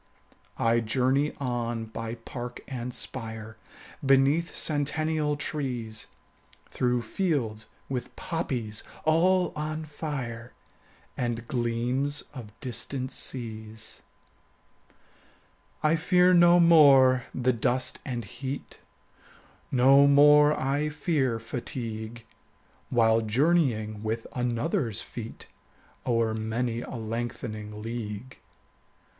20 I journey on by park and spire, Beneath centennial trees, Through fields with poppies all on fire, And gleams of distant seas. I fear no more the dust and heat, 25 No more I fear fatigue, While journeying with another's feet O'er many a lengthening league.